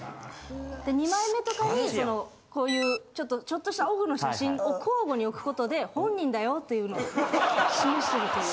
で２枚目とかにこういうちょっとしたオフの写真を交互に置くことで本人だよというのを示してるという。